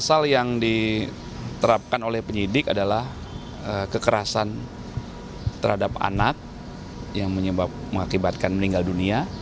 pasal yang diterapkan oleh penyidik adalah kekerasan terhadap anak yang mengakibatkan meninggal dunia